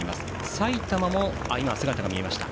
埼玉も姿が見えました。